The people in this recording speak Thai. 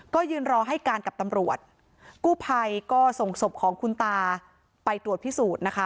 ก็ยืนรอให้การกับตำรวจกู้ภัยก็ส่งศพของคุณตาไปตรวจพิสูจน์นะคะ